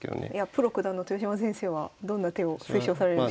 プロ九段の豊島先生はどんな手を推奨されるんでしょうか？